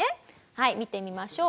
はい見てみましょう。